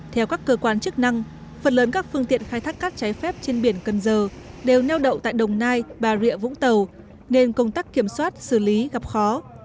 theo các cơ quan chức năng phần lớn các phương tiện khai thác cát trái phép trên biển cần giờ đều neo đậu tại đồng nai bà rịa vũng tàu nên công tác kiểm soát xử lý gặp khó